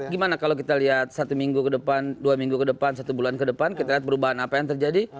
gimana kalau kita lihat satu minggu ke depan dua minggu ke depan satu bulan ke depan kita lihat perubahan apa yang terjadi